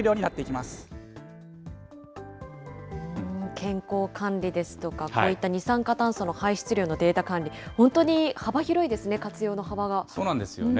健康管理ですとか、こういった二酸化炭素の排出量のデータ管理、そうなんですよね。